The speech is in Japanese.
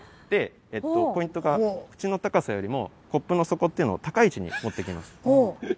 でポイントが口の高さよりもコップの底っていうのを高い位置に持っていきます。